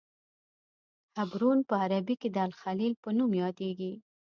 حبرون په عربي کې د الخلیل په نوم یادیږي.